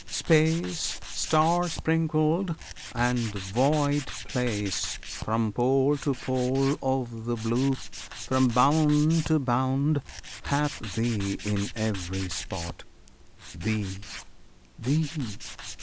Space Star sprinkled, and void place From pole to pole of the Blue, from bound to bound, Hath Thee in every spot, Thee, Thee!